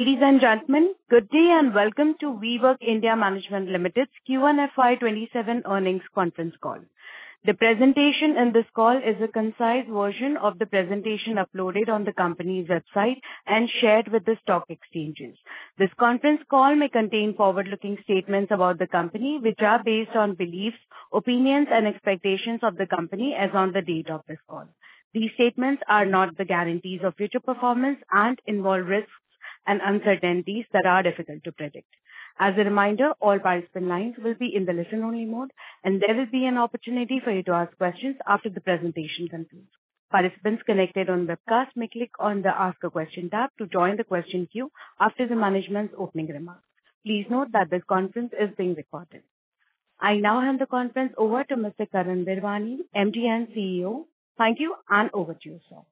Ladies and gentlemen, good day and welcome to WeWork India Management Limited's Q1 FY 2027 earnings conference call. The presentation in this call is a concise version of the presentation uploaded on the company's website and shared with the stock exchanges. This conference call may contain forward-looking statements about the company, which are based on beliefs, opinions and expectations of the company as on the date of this call. These statements are not the guarantees of future performance and involve risks and uncertainties that are difficult to predict. As a reminder, all participant lines will be in the listen-only mode, and there will be an opportunity for you to ask questions after the presentation concludes. Participants connected on webcast may click on the Ask a Question tab to join the question queue after the management's opening remarks. Please note that this conference is being recorded. I now hand the conference over to Mr. Karan Virwani, MD and CEO. Thank you, and over to you, sir.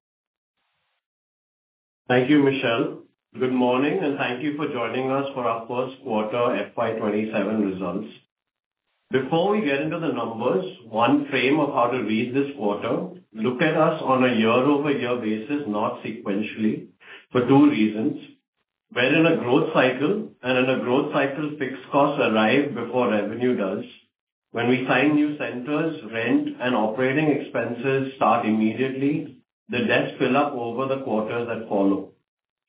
Thank you, Michelle. Good morning, and thank you for joining us for our first quarter FY 2027 results. Before we get into the numbers, one frame of how to read this quarter, look at us on a year-over-year basis, not sequentially, for two reasons. We're in a growth cycle, and in a growth cycle, fixed costs arrive before revenue does. When we sign new centers, rent and operating expenses start immediately. The desks fill up over the quarters that follow.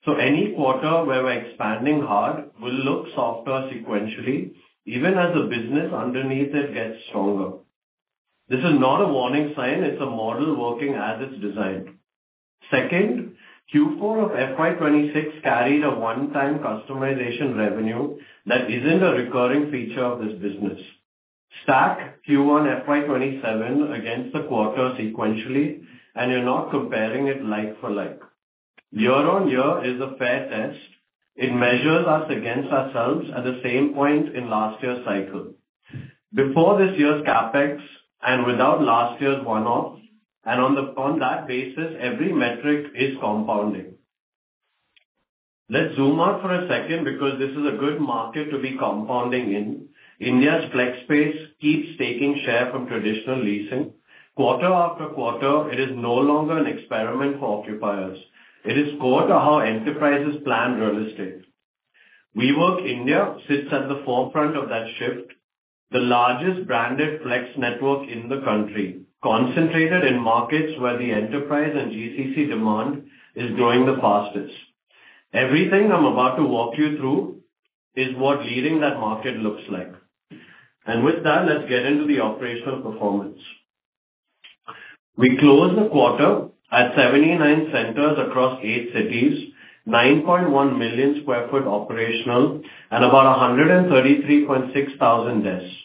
Any quarter where we're expanding hard will look softer sequentially, even as the business underneath it gets stronger. This is not a warning sign. It's a model working as it's designed. Second, Q4 of FY 2026 carried a one-time customization revenue that isn't a recurring feature of this business. Stack Q1 FY 2027 against the quarter sequentially, and you're not comparing it like-for-like. Year-on-year is a fair test. It measures us against ourselves at the same point in last year's cycle. Before this year's CapEx and without last year's one-offs, and on that basis, every metric is compounding. Let's zoom out for a second because this is a good market to be compounding in. India's flex space keeps taking share from traditional leasing quarter after quarter. It is no longer an experiment for occupiers. It is core to how enterprises plan real estate. WeWork India sits at the forefront of that shift, the largest branded flex network in the country, concentrated in markets where the enterprise and GCC demand is growing the fastest. Everything I'm about to walk you through is what leading that market looks like. With that, let's get into the operational performance. We closed the quarter at 79 centers across eight cities, 9.1 million sq ft operational, and about 133,600 desks.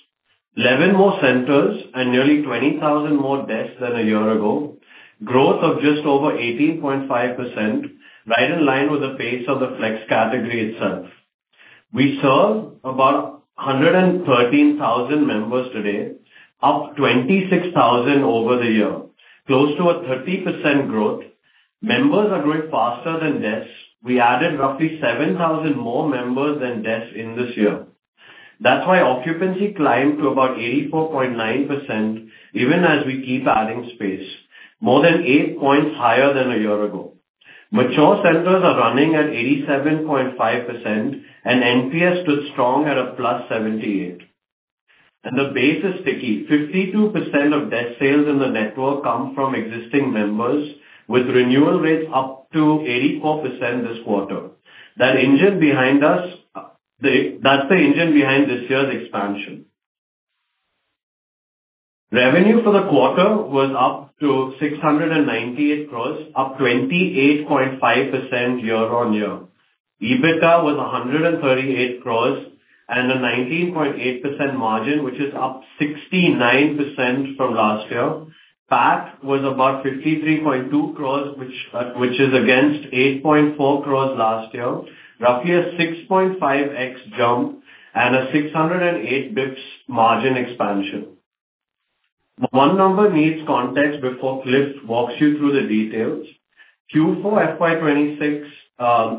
Eleven more centers and nearly 20,000 more desks than a year ago. Growth of just over 18.5%, right in line with the pace of the flex category itself. We serve about 113,000 members today, up 26,000 over the year. Close to a 30% growth. Members are growing faster than desks. We added roughly 7,000 more members than desks in this year. That's why occupancy climbed to about 84.9%, even as we keep adding space, more than eight points higher than a year ago. Mature centers are running at 87.5%, and NPS stood strong at a +78. The base is sticky. 52% of desk sales in the network come from existing members, with renewal rates up to 84% this quarter. That's the engine behind this year's expansion. Revenue for the quarter was up to 698 crore, up 28.5% year-on-year. EBITDA was 138 crore and a 19.8% margin, which is up 69% from last year. PAT was about 53.2 crore, which is against 8.4 crore last year, roughly a 6.5x jump and a 608 basis points margin expansion. One number needs context before Cliff walks you through the details. Q4 FY 2026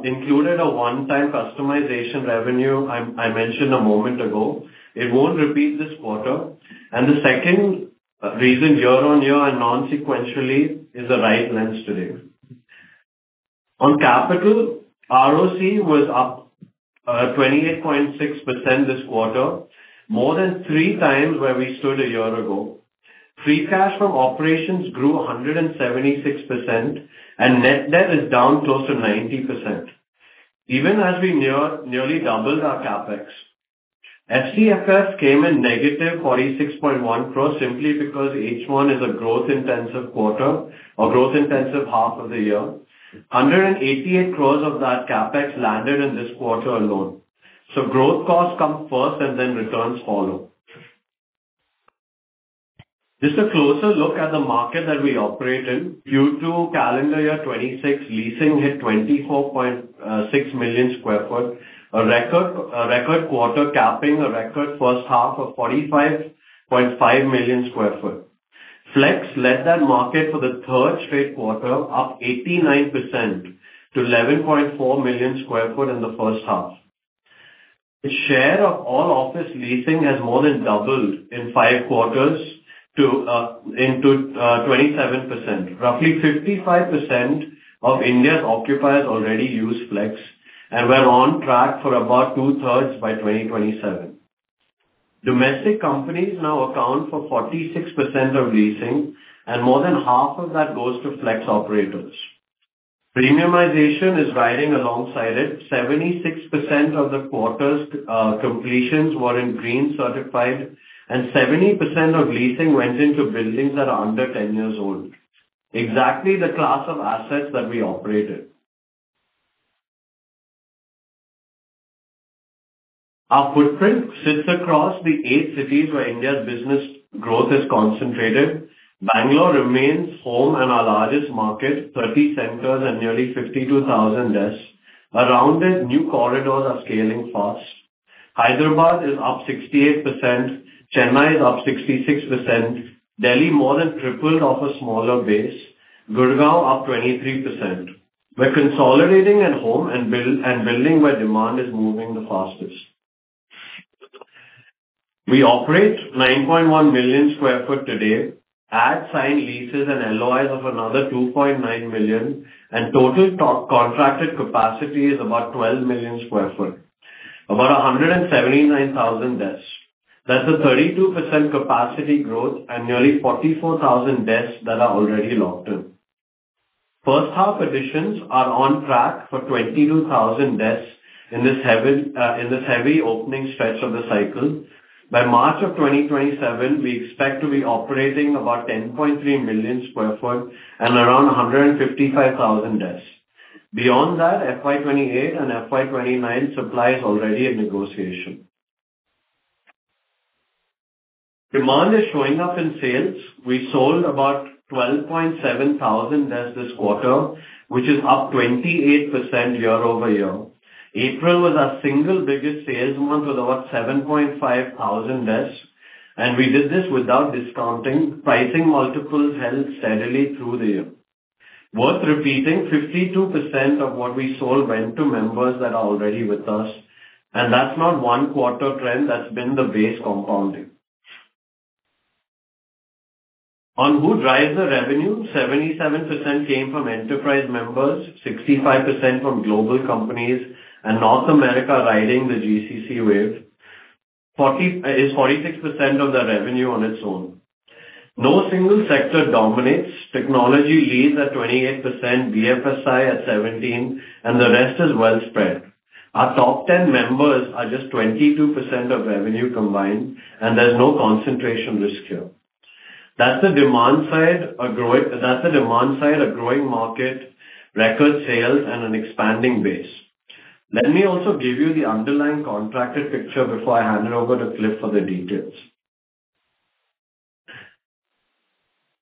included a one-time customization revenue I mentioned a moment ago. It won't repeat this quarter. The second reason year-on-year and non-sequentially is the right lens today. On capital, ROC was up 28.6% this quarter, more than 3x where we stood a year ago. Free cash from operations grew 176%, and net debt is down close to 90%, even as we nearly doubled our CapEx. FCFF came in -46.1 crore simply because H1 is a growth-intensive quarter or growth-intensive half of the year. 188 crore of that CapEx landed in this quarter alone. Growth costs come first and then returns follow. Just a closer look at the market that we operate in. Q2 calendar year 2026 leasing hit 24.6 million sq ft, a record quarter capping a record first half of 45.5 million sq ft. Flex led that market for the third straight quarter, up 89% to 11.4 million sq ft in the first half. The share of all office leasing has more than doubled in five quarters into 27%. Roughly 55% of India's occupiers already use flex, and we're on track for about 2/3 by 2027. Domestic companies now account for 46% of leasing, and more than half of that goes to flex operators. Premiumization is riding alongside it. 76% of the quarter's completions were in green certified, and 70% of leasing went into buildings that are under 10 years old, exactly the class of assets that we operate in. Our footprint sits across the eight cities where India's business growth is concentrated. Bangalore remains home and our largest market, 30 centers and nearly 52,000 desks. Around it, new corridors are scaling fast. Hyderabad is up 68%, Chennai is up 66%, Delhi more than tripled off a smaller base, Gurgaon up 23%. We're consolidating at home and building where demand is moving the fastest. We operate 9.1 million sq ft today, add signed leases and LOIs of another 2.9 million, and total contracted capacity is about 12 million sq ft, about 179,000 desks. That's a 32% capacity growth and nearly 44,000 desks that are already locked in. First half additions are on track for 22,000 desks in this heavy opening stretch of the cycle. By March of 2027, we expect to be operating about 10.3 million sq ft and around 155,000 desks. Beyond that, FY 2028 and FY 2029 supply is already in negotiation. Demand is showing up in sales. We sold about 12,700 desks this quarter, which is up 28% year-over-year. April was our single biggest sales month with over 7,500 desks, we did this without discounting. Pricing multiples held steadily through the year. Worth repeating, 52% of what we sold went to members that are already with us, that's not a one-quarter trend. That's been the base compounding. On who drives the revenue, 77% came from enterprise members, 65% from global companies, North America riding the GCC wave is 46% of the revenue on its own. No single sector dominates. Technology leads at 28%, BFSI at 17%, the rest is well spread. Our top 10 members are just 22% of revenue combined, there's no concentration risk here. That's the demand side of growing market, record sales, and an expanding base. Let me also give you the underlying contracted picture before I hand it over to Cliff for the details.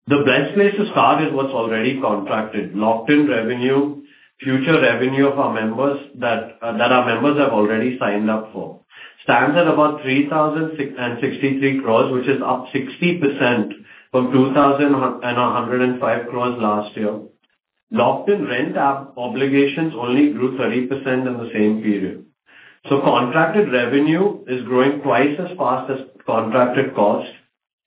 The best place to start is what's already contracted. Locked-in revenue, future revenue that our members have already signed up for stands at about 3,063 crore, which is up 60% from 2,105 crore last year. Locked-in rent obligations only grew 30% in the same period. Contracted revenue is growing twice as fast as contracted cost.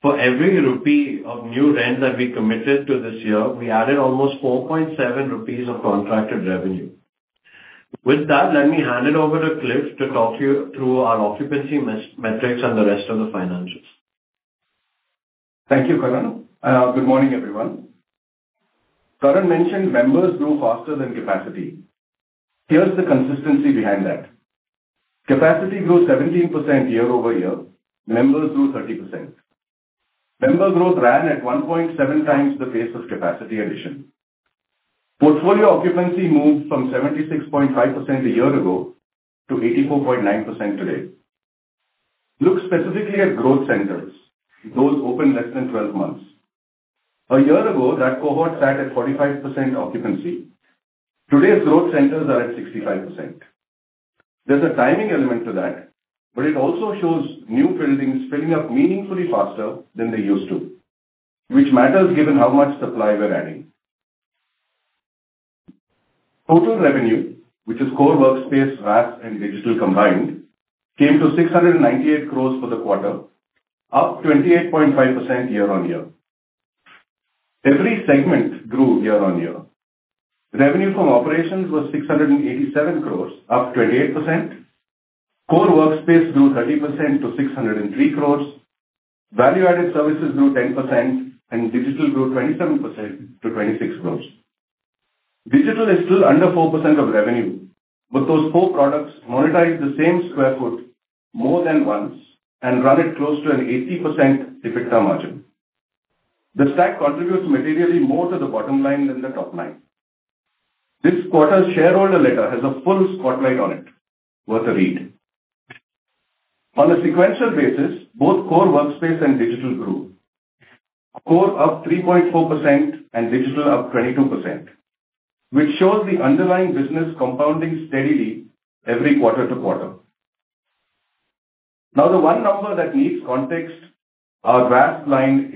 For every rupee of new rent that we committed to this year, we added almost 4.7 rupees of contracted revenue. With that, let me hand it over to Cliff to talk you through our occupancy metrics and the rest of the financials. Thank you, Karan. Good morning, everyone. Karan mentioned members grew faster than capacity. Here's the consistency behind that. Capacity grew 17% year-over-year. Members grew 30%. Member growth ran at 1.7x the pace of capacity addition. Portfolio occupancy moved from 76.5% a year ago to 84.9% today. Look specifically at growth centers, those open less than 12 months. A year ago, that cohort sat at 45% occupancy. Today's growth centers are at 65%. There's a timing element to that, it also shows new buildings filling up meaningfully faster than they used to, which matters, given how much supply we're adding. Total revenue, which is Core Workspace, RaaS, and Digital combined, came to 698 crore for the quarter, up 28.5% year-on-year. Every segment grew year-on-year. Revenue from operations was 687 crore, up 28%. Core Workspace grew 30% to 603 crore. Value-Added Services grew 10%. Digital grew 27% to 26 crore. Digital is still under 4% of revenue, but those four products monetize the same square foot more than once and run at close to an 80% EBITDA margin. The stack contributes materially more to the bottom line than the top-line. This quarter's shareholder letter has a full spotlight on it. Worth a read. On a sequential basis, both Core Workspace and Digital grew. Core up 3.4% and Digital up 22%, which shows the underlying business compounding steadily every quarter-to-quarter. The one number that needs context, our VAS line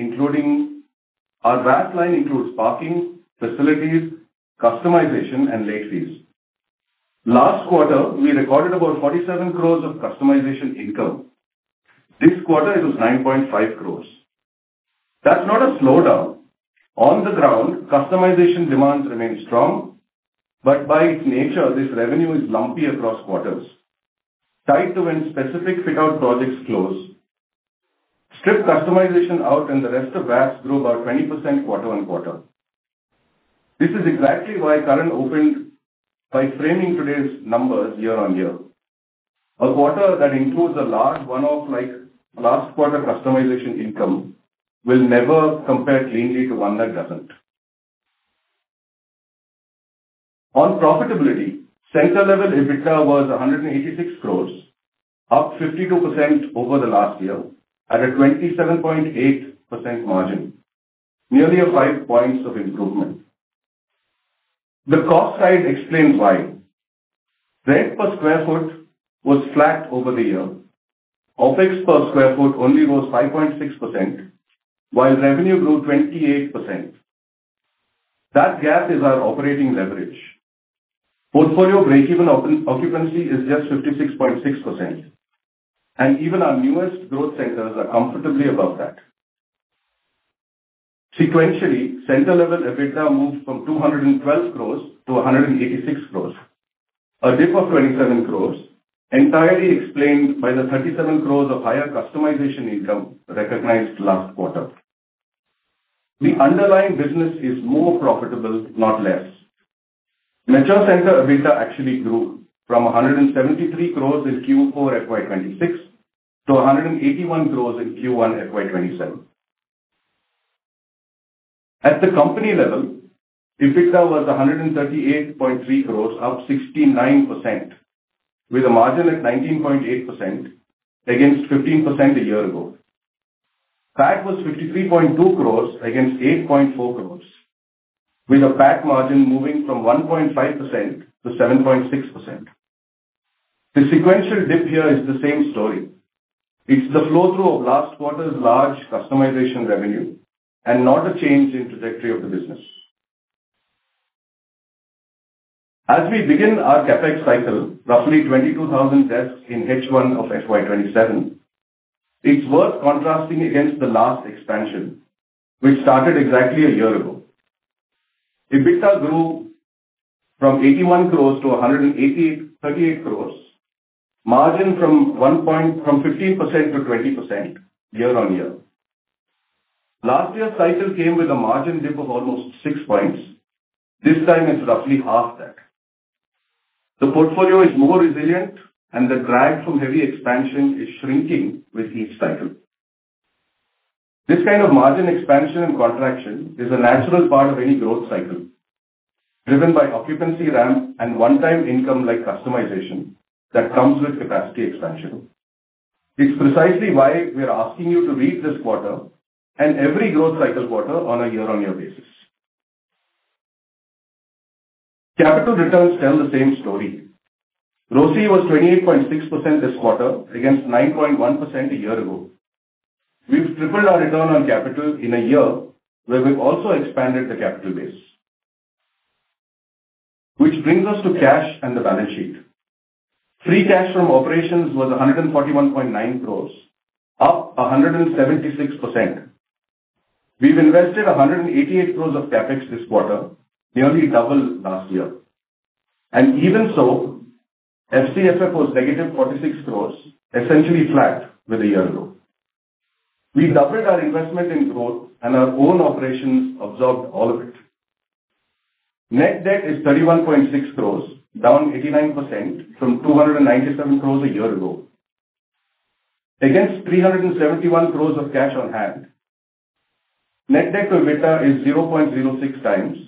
includes parking, facilities, customization, and late fees. Last quarter, we recorded about 47 crore of customization income. This quarter it was 9.5 crore. That's not a slowdown. On the ground, customization demands remain strong. By its nature, this revenue is lumpy across quarters, tied to when specific fit-out projects close. Strip customization out, the rest of VAS grew about 20% quarter-on-quarter. This is exactly why Karan opened by framing today's numbers year-on-year. A quarter that includes a large one-off like last quarter customization income will never compare cleanly to one that doesn't. On profitability, center-level EBITDA was 186 crore, up 52% over the last year at a 27.8% margin, nearly a five points of improvement. The cost side explains why. Rent per square foot was flat over the year. OpEx per square foot only rose 5.6%, while revenue grew 28%. That gap is our operating leverage. Portfolio breakeven occupancy is just 56.6%, and even our newest growth centers are comfortably above that. Sequentially, center-level EBITDA moved from 212 crore-186 crore, a dip of 27 crore entirely explained by the 37 crore of higher customization income recognized last quarter. The underlying business is more profitable, not less. Mature center EBITDA actually grew from 173 crore in Q4 FY 2026 to 181 crore in Q1 FY 2027. At the company level, EBITDA was 138.3 crore, up 69%, with a margin at 19.8% against 15% a year ago. PAT was 53.2 crore against 8.4 crore, with a PAT margin moving from 1.5% to 7.6%. The sequential dip here is the same story. It's the flow-through of last quarter's large customization revenue and not a change in trajectory of the business. As we begin our CapEx cycle, roughly 22,000 desks in H1 of FY 2027, it's worth contrasting against the last expansion, which started exactly a year ago. EBITDA grew from 81 crore-138 crore, margin from 15%-20% year-on-year. Last year's cycle came with a margin dip of almost six points. This time it's roughly half that. The portfolio is more resilient, and the drag from heavy expansion is shrinking with each cycle. This kind of margin expansion and contraction is a natural part of any growth cycle, driven by occupancy ramp and one-time income like customization that comes with capacity expansion. It's precisely why we are asking you to read this quarter and every growth cycle quarter on a year-on-year basis. Capital returns tell the same story. ROCE was 28.6% this quarter against 9.1% a year ago. We've tripled our return on capital in a year where we've also expanded the capital base. Which brings us to cash and the balance sheet. Free cash from operations was 141.9 crore, up 176%. We've invested 188 crore of CapEx this quarter, nearly double last year. Even so, FCFO was -46 crore, essentially flat with a year ago. We doubled our investment in growth and our own operations absorbed all of it. Net debt is 31.6 crore, down 89% from 297 crore a year ago. Against 371 crore of cash on hand, net debt-to-EBITDA is 0.06x.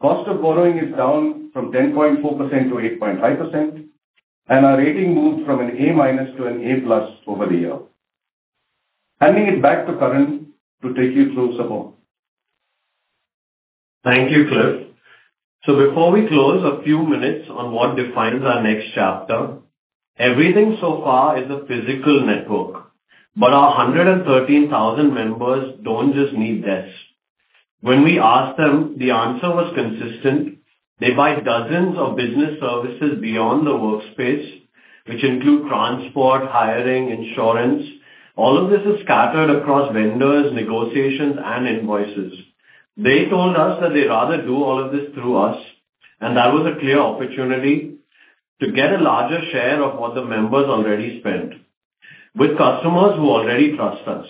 Cost of borrowing is down from 10.4%-8.5%, and our rating moved from an A- to an A+ over the year. Handing it back to Karan to take you through some more. Thank you, Cliff. Before we close, a few minutes on what defines our next chapter. Everything so far is a physical network, but our 113,000 members don't just need desks. When we asked them, the answer was consistent. They buy dozens of business services beyond the workspace, which include transport, hiring, insurance. All of this is scattered across vendors, negotiations, and invoices. They told us that they'd rather do all of this through us. That was a clear opportunity to get a larger share of what the members already spend, with customers who already trust us.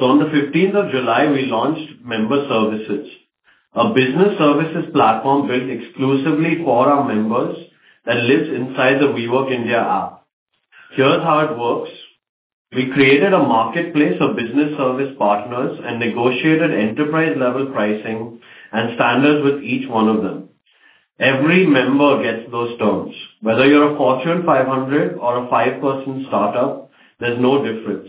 On the 15th of July, we launched Member Services, a business services platform built exclusively for our members that lives inside the WeWork India app. Here's how it works. We created a marketplace of business service partners and negotiated enterprise-level pricing and standards with each one of them. Every member gets those terms. Whether you're a Fortune 500 or a five-person startup, there's no difference.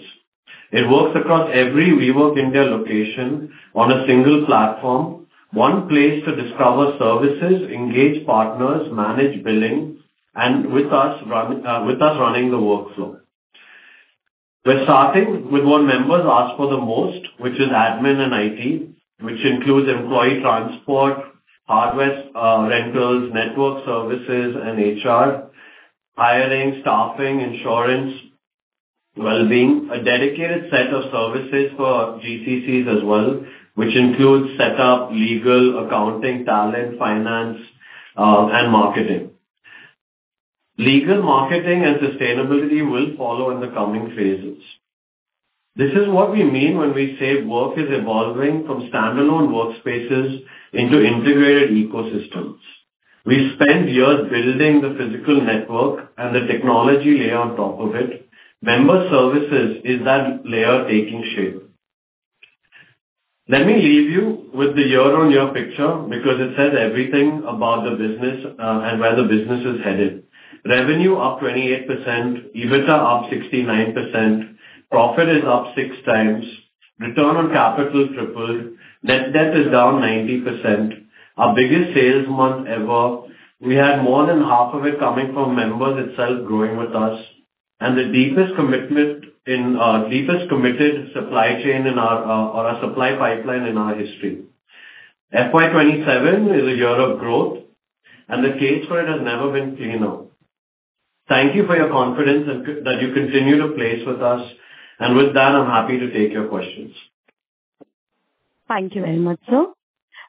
It works across every WeWork India location on a single platform. One place to discover services, engage partners, manage billing, and with us running the workflow. We're starting with what members ask for the most, which is admin and IT, which includes employee transport, hardware rentals, network services, and HR, hiring, staffing, insurance, well-being. A dedicated set of services for GCCs as well, which includes setup, legal, accounting, talent, finance, and marketing. Legal, marketing, and sustainability will follow in the coming phases. This is what we mean when we say work is evolving from standalone workspaces into integrated ecosystems. We've spent years building the physical network and the technology layer on top of it. Member Services is that layer taking shape. Let me leave you with the year-on-year picture, because it says everything about the business and where the business is headed. Revenue up 28%, EBITDA up 69%, profit is up 6x, return on capital tripled, net debt is down 90%. Our biggest sales month ever. We had more than half of it coming from members itself growing with us, and the deepest committed supply chain or our supply pipeline in our history. FY 2027 is a year of growth, and the case for it has never been cleaner. Thank you for your confidence that you continue to place with us. With that, I'm happy to take your questions. Thank you very much, sir.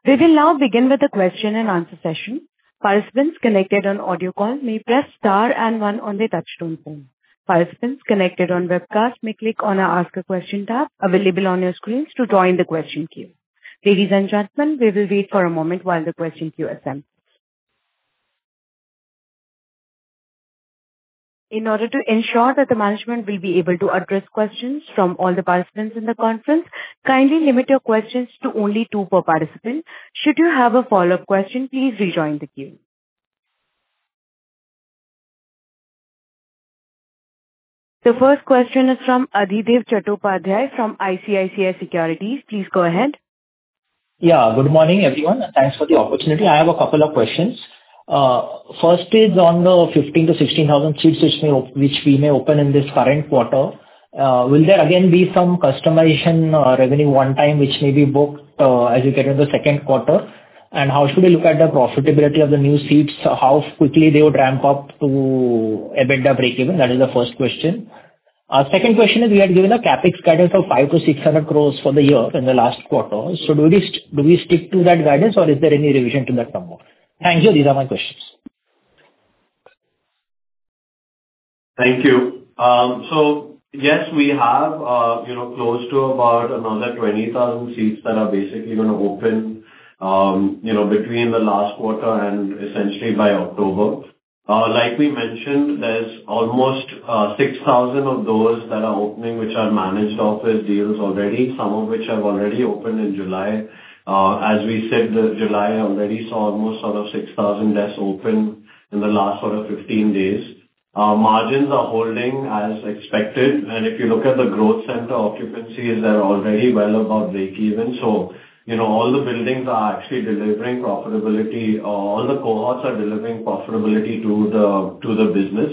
We will now begin with the question-and-answer session. Participants connected on audio call may press star and one on their touch-tone phone. Participants connected on webcast may click on our Ask a Question tab available on your screens to join the question queue. Ladies and gentlemen, we will wait for a moment while the question queue assembles. In order to ensure that the management will be able to address questions from all the participants in the conference, kindly limit your questions to only two per participant. Should you have a follow-up question, please rejoin the queue. The first question is from Adhidev Chattopadhyay from ICICI Securities. Please go ahead. Yeah. Good morning, everyone, and thanks for the opportunity. I have a couple of questions. First is on the 15,000-16,000 seats which we may open in this current quarter. Will there again be some customization revenue one-time, which may be booked as you get into the second quarter? And how should we look at the profitability of the new seats? How quickly they would ramp up to EBITDA breakeven? That is the first question. Second question is, we had given a CapEx guidance of 500 crore- 600 crore for the year in the last quarter. Do we stick to that guidance or is there any revision to that number? Thank you. These are my questions. Thank you. So yes, we have close to about another 20,000 seats that are basically going to open between the last quarter and essentially by October. Like we mentioned, there's almost 6,000 of those that are opening, which are managed office deals already, some of which have already opened in July. As we said, July already saw almost sort of 6,000 desks open in the last sort of 15 days. Margins are holding as expected. If you look at the growth center occupancies, they're already well above breakeven. All the buildings are actually delivering profitability. All the cohorts are delivering profitability to the business.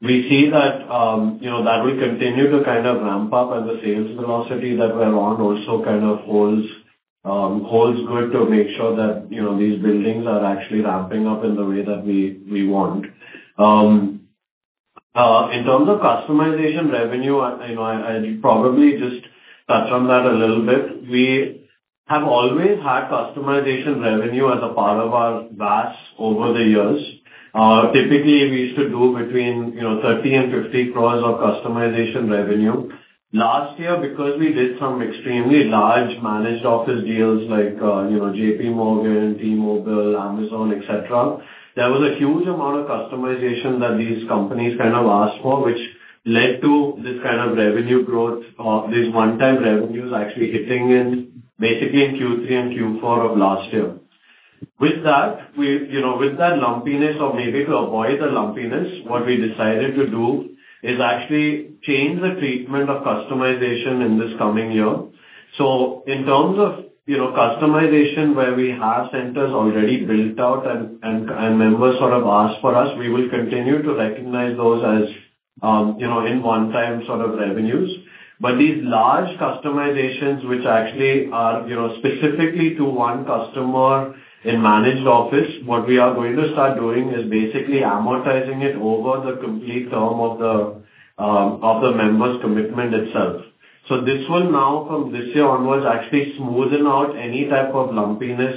We see that will continue to kind of ramp up and the sales velocity that we're on also kind of holds good to make sure that these buildings are actually ramping up in the way that we want. In terms of customization revenue, I'll probably just touch on that a little bit. We have always had customization revenue as a part of our VAS over the years. Typically, we used to do between 30 crore-INR50 crore of customization revenue. Last year, because we did some extremely large managed office deals like JPMorgan, T-Mobile, Amazon, et cetera. There was a huge amount of customization that these companies kind of asked for, which led to this kind of revenue growth or these one-time revenues actually hitting in basically in Q3 and Q4 of last year. With that lumpiness or maybe to avoid the lumpiness, what we decided to do is actually change the treatment of customization in this coming year. In terms of customization where we have centers already built out and members sort of ask for us, we will continue to recognize those in one-time sort of revenues. These large customizations, which actually are specifically to one customer in managed office, we are going to start doing is amortizing it over the complete term of the member's commitment itself. This will now from this year onwards, actually smoothen out any type of lumpiness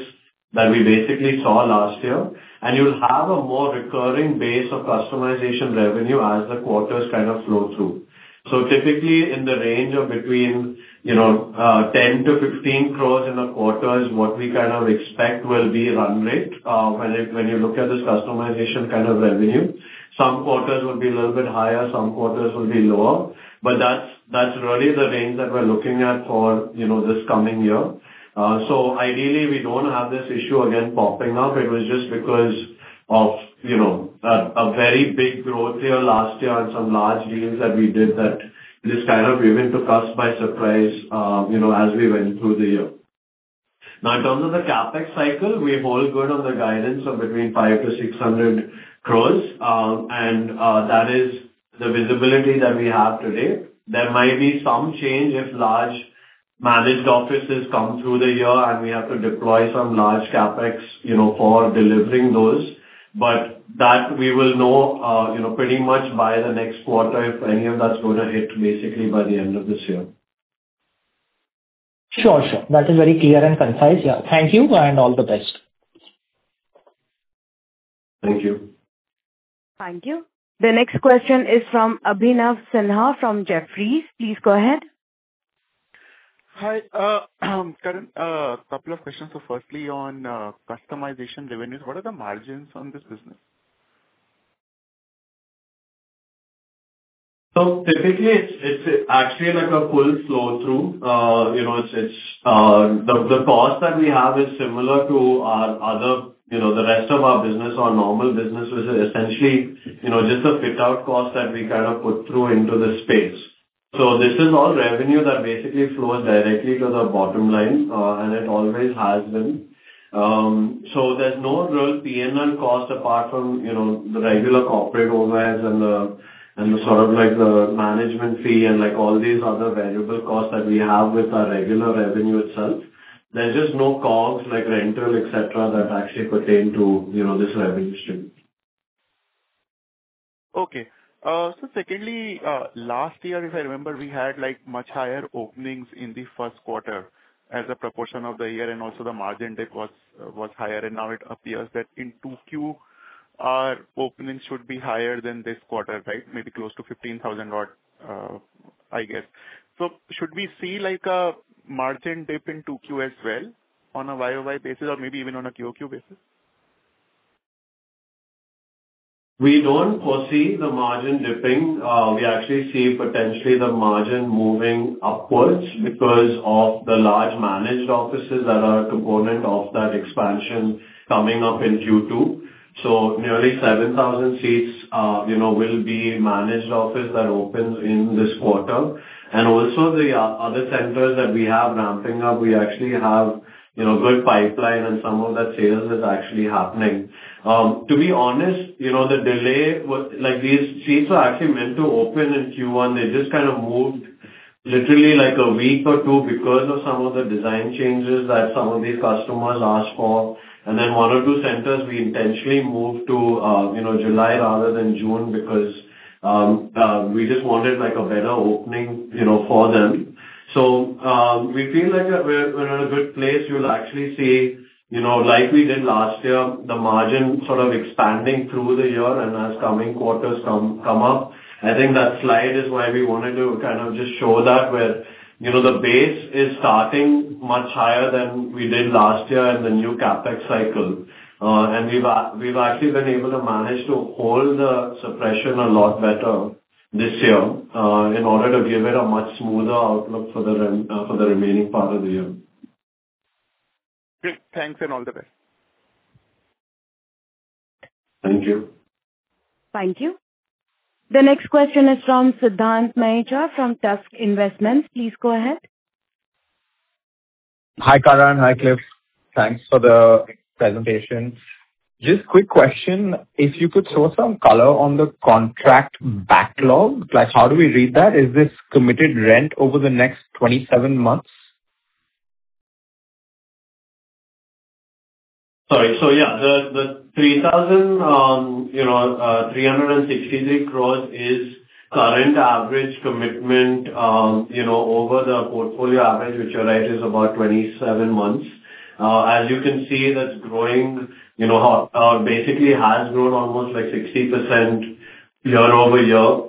that we saw last year. You'll have a more recurring base of customization revenue as the quarters flow through. Typically, in the range of between 10 crore-15 crore in a quarter is what we expect will be run rate when you look at this customization kind of revenue. Some quarters will be a little bit higher, some quarters will be lower, that's really the range that we're looking at for this coming year. Ideally, we don't have this issue again popping up. It was just because of a very big growth year last year and some large deals that we did that this even took us by surprise as we went through the year. In terms of the CapEx cycle, we've all got on the guidance of between 500 crore-600 crore. That is the visibility that we have today. There might be some change if large managed offices come through the year and we have to deploy some large CapEx for delivering those. That we will know pretty much by the next quarter if any of that's going to hit, by the end of this year. Sure. That is very clear and concise. Yeah. Thank you, and all the best. Thank you. Thank you. The next question is from Abhinav Sinha from Jefferies. Please go ahead. Hi. Karan, a couple of questions. Firstly, on customization revenues, what are the margins on this business? Typically, it's actually like a full flow through. The cost that we have is similar to the rest of our business. Our normal business, which is essentially just a fit-out cost that we kind of put through into the space. This is all revenue that basically flows directly to the bottom line, and it always has been. There's no real P&L cost apart from the regular corporate overheads and the management fee and all these other variable costs that we have with our regular revenue itself. There's just no costs like rental, et cetera, that actually pertain to this revenue stream. Okay. Secondly, last year, if I remember, we had much higher openings in the first quarter as a proportion of the year and also the margin debt was higher and now it appears that in 2Q our openings should be higher than this quarter, right? Maybe close to 15,000, I guess. Should we see a margin dip in 2Q as well on a year-over-year basis or maybe even on a quarter-over-quarter basis? We don't foresee the margin dipping. We actually see potentially the margin moving upwards because of the large managed offices that are a component of that expansion coming up in Q2. Nearly 7,000 seats will be managed office that opens in this quarter. The other centers that we have ramping up, we actually have good pipeline and some of that sales is actually happening. To be honest, the delay, these seats were actually meant to open in Q1. They just kind of moved literally a week or two because of some of the design changes that some of these customers asked for. One or two centers we intentionally moved to July rather than June because we just wanted a better opening for them. We feel like we're in a good place. You'll actually see, like we did last year, the margin sort of expanding through the year and as coming quarters come up. I think that slide is why we wanted to kind of just show that where the base is starting much higher than we did last year in the new CapEx cycle. We've actually been able to manage to hold the suppression a lot better this year, in order to give it a much smoother outlook for the remaining part of the year. Great. Thanks and all the best. Thank you. Thank you. The next question is from Siddhant Mayecha, from Tusk Investments. Please go ahead. Hi, Karan. Hi, Cliff. Thanks for the presentation. Just quick question. If you could throw some color on the contract backlog. How do we read that? Is this committed rent over the next 27 months? Sorry. Yeah, the 3,363 crore is current average commitment over the portfolio average, which you're right, is about 27 months. As you can see, that basically has grown almost 60% year-over-year.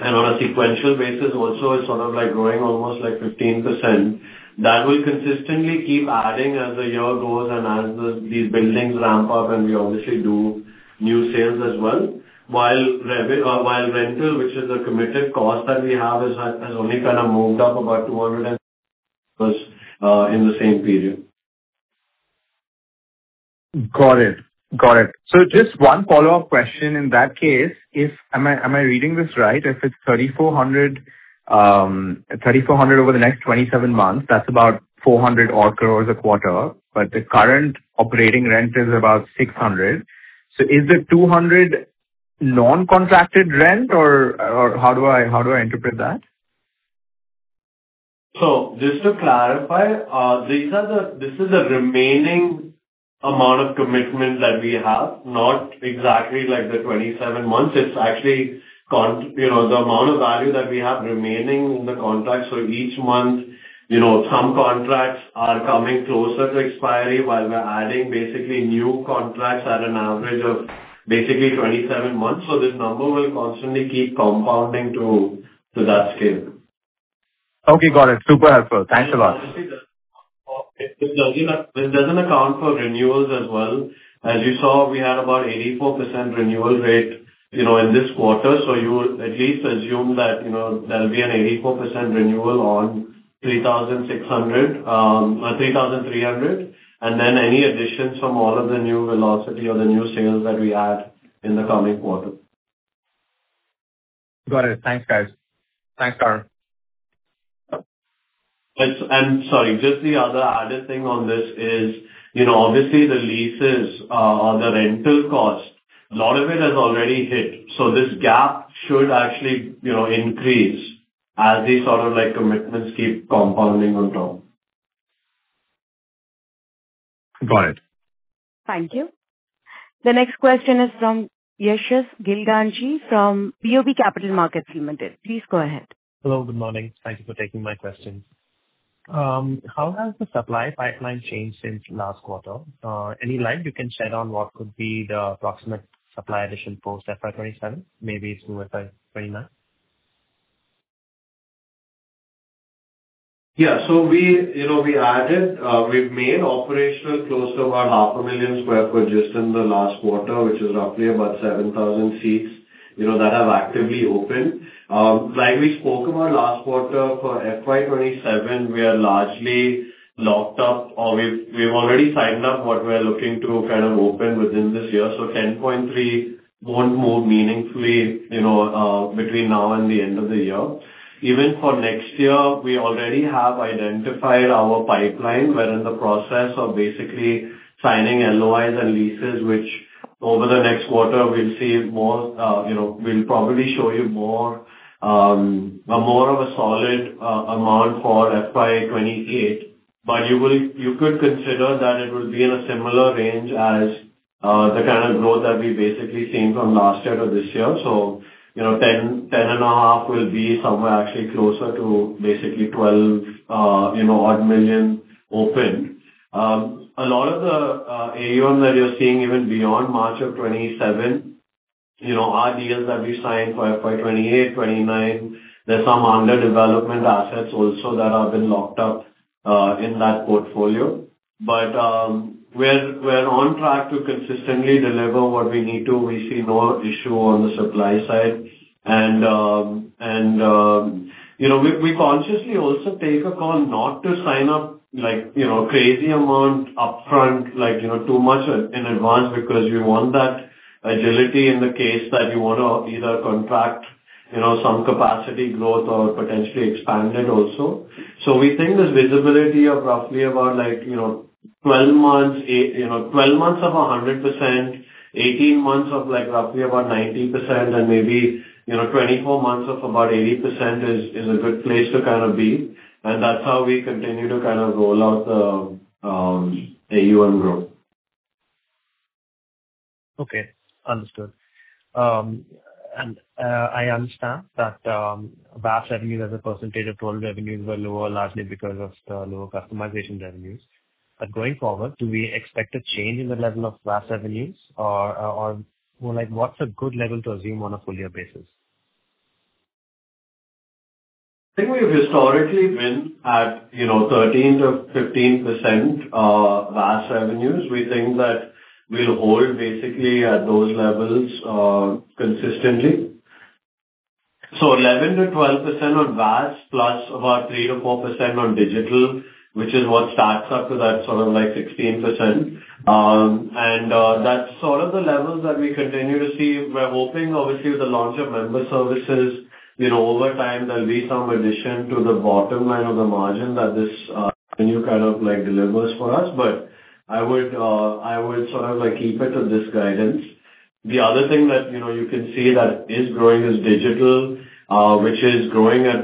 On a sequential basis also it's growing almost 15%. That will consistently keep adding as the year goes and as these buildings ramp up and we obviously do new sales as well, while rental, which is a committed cost that we have, has only kind of moved up about 200 in the same period. Got it. Just one follow-up question in that case. Am I reading this right? If it's 3,400 over the next 27 months, that's about 400 crore a quarter, but the current operating rent is about 600. Is the 200 non-contracted rent or how do I interpret that? Just to clarify, this is the remaining amount of commitment that we have, not exactly the 27 months. It's actually the amount of value that we have remaining in the contract. Each month, some contracts are coming closer to expiry while we're adding basically new contracts at an average of basically 27 months. This number will constantly keep compounding to that scale. Okay. Got it. Super helpful. Thanks a lot. This doesn't account for renewals as well. As you saw, we had about 84% renewal rate in this quarter. You would at least assume that there'll be an 84% renewal on 3,300, and then any additions from all of the new velocity or the new sales that we add in the coming quarter. Got it. Thanks, guys. Thanks, Karan. Sorry, just the other added thing on this is obviously the leases, or the rental cost, a lot of it has already hit. This gap should actually increase as these sort of commitments keep compounding on top. Got it. Thank you. The next question is from Yashas Gilganchi from BOB Capital Markets Limited. Please go ahead. Hello. Good morning. Thank you for taking my question. How has the supply pipeline changed since last quarter? Any light you can shed on what could be the approximate supply addition post FY 2027, maybe through FY 2029? Yeah. We've made operational close to about 500,000 sq ft just in the last quarter, which is roughly about 7,000 seats that have actively opened. Like we spoke about last quarter, for FY 2027, we are largely locked up or we've already signed up what we're looking to kind of open within this year. 10.3 won't move meaningfully between now and the end of the year. Even for next year, we already have identified our pipeline. We're in the process of basically signing LOIs and leases, which over the next quarter we'll probably show you more of a solid amount for FY 2028. You could consider that it will be in a similar range as the kind of growth that we've basically seen from last year to this year. 10.5 will be somewhere actually closer to basically 12 odd million open. A lot of the AUM that you're seeing even beyond March of 2027, are deals that we signed for FY 2028, 2029. There's some under-development assets also that have been locked up in that portfolio. We're on track to consistently deliver what we need to. We see no issue on the supply side. We consciously also take a call not to sign a crazy amount upfront, too much in advance, because we want that agility in the case that you want to either contract some capacity growth or potentially expand it also. We think this visibility of roughly about 12 months of 100%, 18 months of roughly about 90% and maybe 24 months of about 80% is a good place to kind of be. That's how we continue to roll out the AUM growth. Okay, understood. I understand that VAS revenue as a percentage of total revenues were lower, largely because of lower customization revenues. Going forward, do we expect a change in the level of VAS revenues or more like what's a good level to assume on a full year basis? I think we've historically been at 13%-15% VAS revenues. We think that we'll hold basically at those levels consistently. 11%-12% on VAS, plus about 3%-4% on Digital, which is what stacks up to that sort of 16%. That's sort of the levels that we continue to see. We're hoping, obviously, with the launch of Member Services, over time, there'll be some addition to the bottom line of the margin that this new kind of delivers for us. But I would sort of keep it to this guidance. The other thing that you can see that is growing is Digital, which is growing at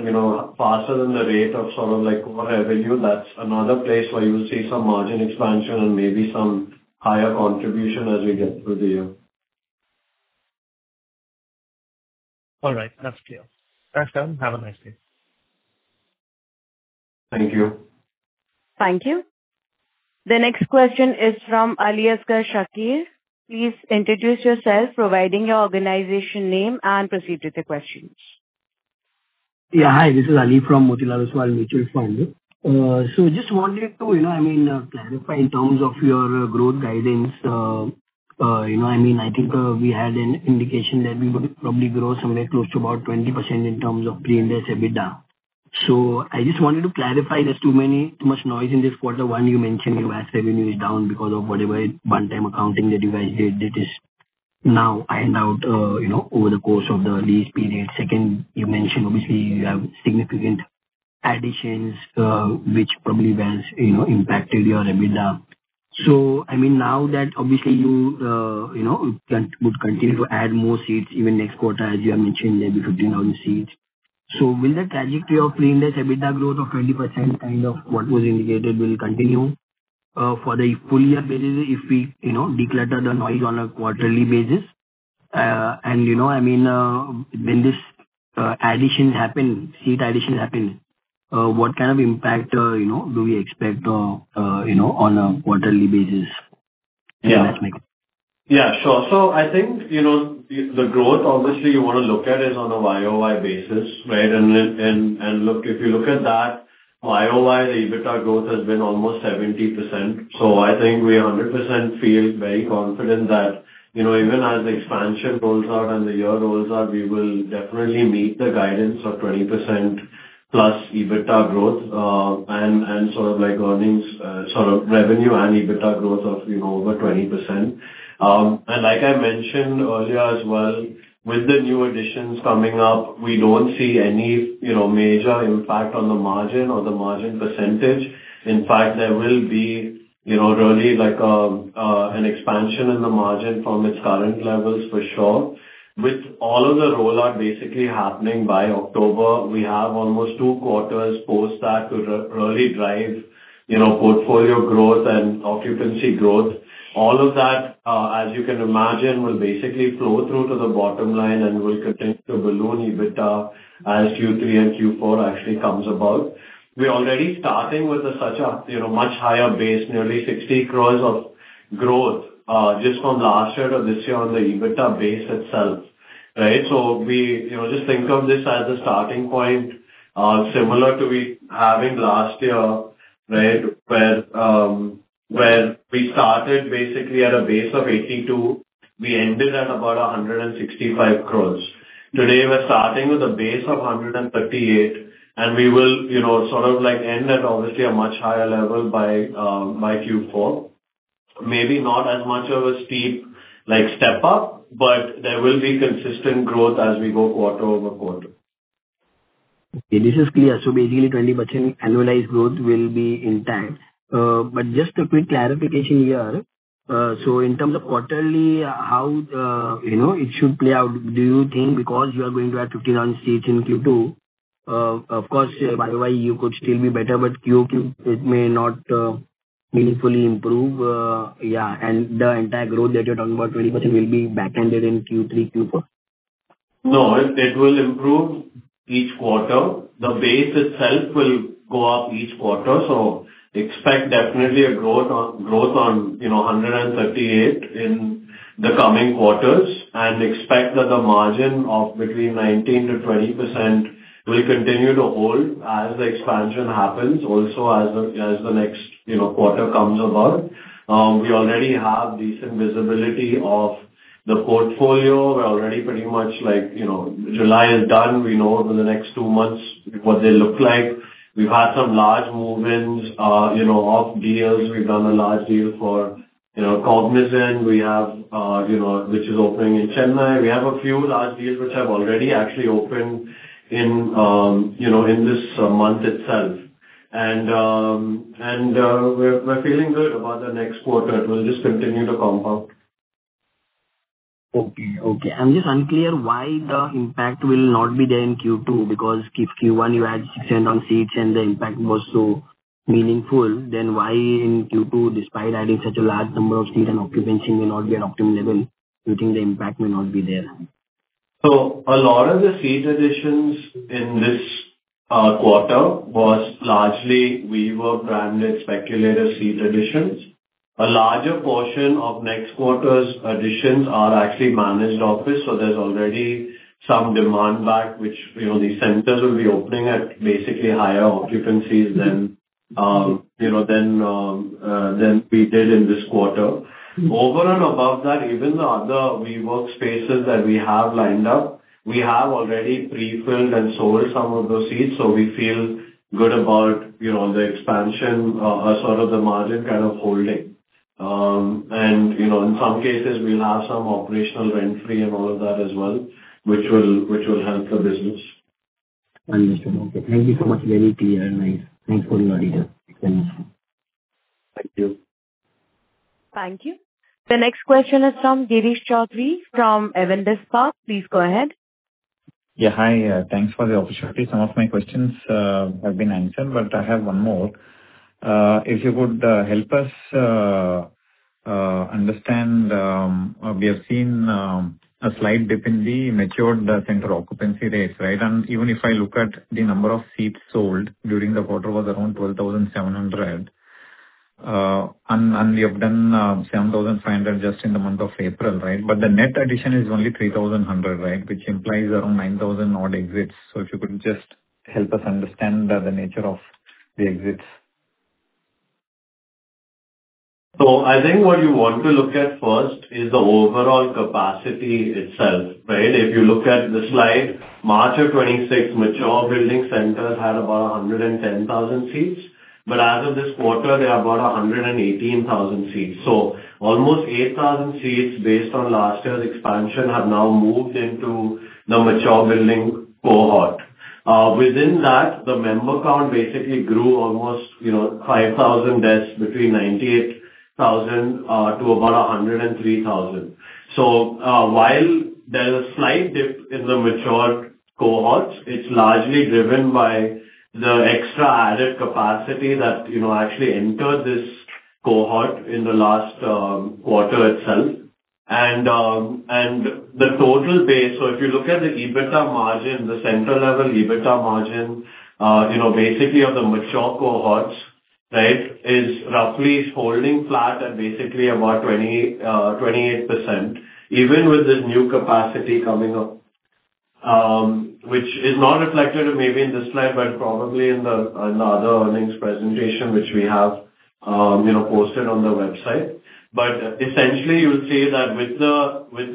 faster than the rate of core revenue. That's another place where you will see some margin expansion and maybe some higher contribution as we get through the year. All right, that's clear. Thanks, Karan. Have a nice day. Thank you. Thank you. The next question is from Aliasgar Shakir. Please introduce yourself, providing your organization name, and proceed with the questions. Yeah. Hi, this is Ali from Motilal Oswal Mutual Fund. Just wanted to clarify in terms of your growth guidance. I think we had an indication that we would probably grow somewhere close to about 20% in terms of pre-interest EBITDA. I just wanted to clarify. There is too much noise in this quarter. One, you mentioned your VAS revenue is down because of whatever one-time accounting that you guys did that is now ironed out over the course of the lease period. Second, you mentioned obviously you have significant additions, which probably has impacted your EBITDA. Now that obviously you would continue to add more seats even next quarter, as you have mentioned, maybe 15,000 seats. Will the trajectory of pre-interest EBITDA growth of 20%, kind of what was indicated, will continue for the full year basis if we declutter the noise on a quarterly basis? When these seat additions happen, what kind of impact do we expect on a quarterly basis in the next quarter? Yeah, sure. I think the growth obviously you want to look at is on a YoY basis, right? If you look at that YoY, the EBITDA growth has been almost 70%. I think we 100% feel very confident that even as expansion rolls out and the year rolls out, we will definitely meet the guidance of 20% plus EBITDA growth, and sort of revenue and EBITDA growth of over 20%. Like I mentioned earlier as well, with the new additions coming up, we don't see any major impact on the margin or the margin percentage. In fact, there will be really an expansion in the margin from its current levels, for sure. With all of the rollout basically happening by October, we have almost two quarters post that to really drive portfolio growth and occupancy growth. All of that, as you can imagine, will basically flow through to the bottom line and will continue to balloon EBITDA as Q3 and Q4 actually comes about. We are already starting with a much higher base, nearly 60 crore of growth just from last year to this year on the EBITDA base itself. Just think of this as a starting point similar to we having last year, where we started basically at a base of 82, we ended at about 165 crore. Today, we are starting with a base of 138, and we will end at obviously a much higher level by Q4. Maybe not as much of a steep step up, but there will be consistent growth as we go quarter-over-quarter. This is clear. Basically 20% annualized growth will be in time. Just a quick clarification here. In terms of quarterly, how it should play out, do you think because you are going to add 15,000 non-seats in Q2, of course, year-over-year you could still be better, but QoQ it may not meaningfully improve? The entire growth that you are talking about, 20%, will be back-ended in Q3, Q4. No, it will improve each quarter. The base itself will go up each quarter. Expect definitely a growth on 138 in the coming quarters, and expect that the margin of between 19%-20% will continue to hold as the expansion happens, also as the next quarter comes about. We already have decent visibility of the portfolio. We are already pretty much like, July is done. We know over the next two months what they look like. We have had some large movements of deals. We have done a large deal for Cognizant, which is opening in Chennai. We have a few large deals which have already actually opened in this month itself. We are feeling good about the next quarter. It will just continue to compound. Okay. I am just unclear why the impact will not be there in Q2, because if Q1 you had 600 on seats and the impact was so meaningful, then why in Q2, despite adding such a large number of seats and occupancy may not be at optimum level, do you think the impact may not be there? A lot of the seat additions in this quarter was largely WeWork branded speculator seat additions. A larger portion of next quarter's additions are actually managed office, there is already some demand back, which these centers will be opening at basically higher occupancies than we did in this quarter. Over and above that, even the other WeWork spaces that we have lined up, we have already pre-filled and sold some of those seats. We feel good about the expansion, the margin kind of holding. In some cases, we will have some operational rent free and all of that as well, which will help the business. Understood. Okay. Thank you so much. Very clear. Nice. Thanks for all your detail. Thanks so much. Thank you. Thank you. The next question is from Girish Choudhary from Avendus Spark. Please go ahead. Yeah. Hi. Thanks for the opportunity. Some of my questions have been answered, but I have one more. If you would help us understand, we have seen a slight dip in the matured center occupancy rates. Even if I look at the number of seats sold during the quarter was around 12,700. We have done 7,500 just in the month of April. The net addition is only 3,100, which implies around 9,000 odd exits. If you could just help us understand the nature of the exits. I think what you want to look at first is the overall capacity itself. If you look at the slide, March of 2026, mature building centers had about 110,000 seats, but as of this quarter they are about 118,000 seats. Almost 8,000 seats based on last year's expansion have now moved into the mature building cohort. Within that, the member count basically grew almost 5,000 desks between 98,000 to about 103,000. While there's a slight dip in the mature cohorts, it's largely driven by the extra added capacity that actually entered this cohort in the last quarter itself. The total base, if you look at the EBITDA margin, the center-level EBITDA margin, basically of the mature cohorts, is roughly holding flat at basically about 28%, even with this new capacity coming up, which is not reflected maybe in this slide, but probably in the other earnings presentation, which we have posted on the website. Essentially, you will see that with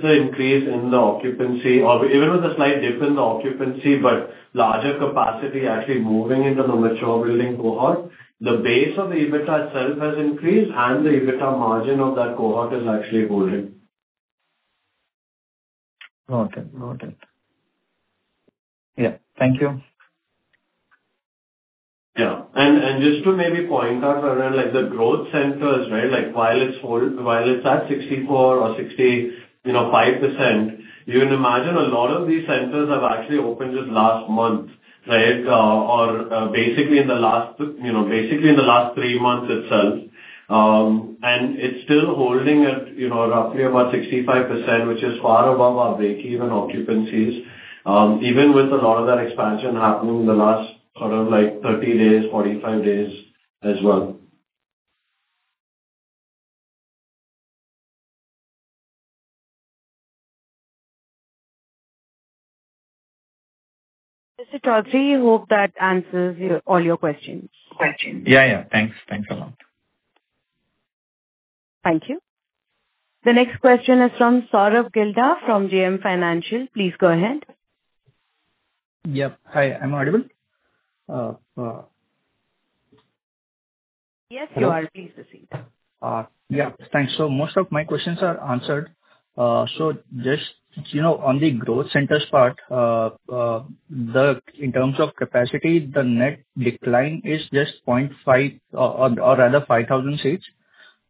the increase in the occupancy, or even with a slight dip in the occupancy, but larger capacity actually moving into the mature building cohort, the base of the EBITDA itself has increased and the EBITDA margin of that cohort is actually holding. Noted. Yeah. Thank you. Yeah. Just to maybe point out, like the growth centers, while it's at 64% or 65%, you can imagine a lot of these centers have actually opened this last month. Basically in the last three months itself. It's still holding at roughly about 65%, which is far above our breakeven occupancies, even with a lot of that expansion happening in the last sort of 30 days, 45 days as well. Mr. Choudhary, hope that answers all your questions. Yeah. Thanks. Thanks a lot. Thank you. The next question is from Sourabh Gilda from JM Financial. Please go ahead. Yep. Hi, I'm audible? Yes, you are. Please proceed. Yeah. Thanks. Most of my questions are answered. Just on the growth centers part, in terms of capacity, the net decline is just point five or rather 5,000 seats.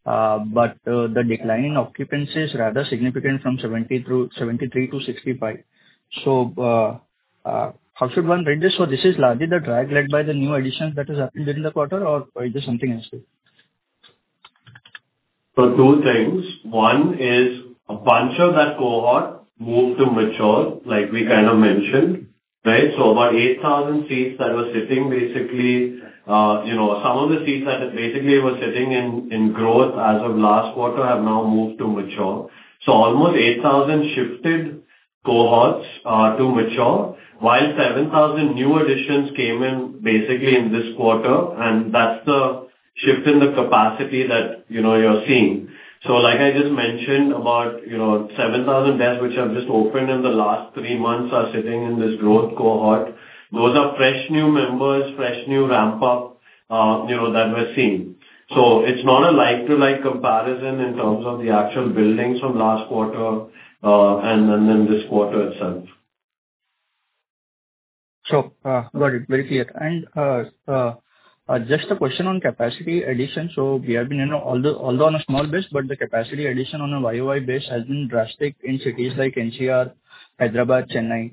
But the decline in occupancy is rather significant from 73% to 65%. How should one read this? This is largely the drag led by the new additions that has happened during the quarter or is there something else here? Two things. One is a bunch of that cohort moved to mature, like we kind of mentioned. About 8,000 seats that were sitting basically, some of the seats that were sitting in growth as of last quarter have now moved to mature. Almost 8,000 shifted cohorts to mature, while 7,000 new additions came in basically in this quarter. That's the shift in the capacity that you're seeing. Like I just mentioned, about 7,000 desks, which have just opened in the last three months, are sitting in this growth cohort. Those are fresh new members, fresh new ramp up that we're seeing. It's not a like-to-like comparison in terms of the actual buildings from last quarter and then this quarter itself. Sure. Got it. Very clear. Just a question on capacity addition. We have been, although on a small base, but the capacity addition on a YoY base has been drastic in cities like NCR, Hyderabad, Chennai.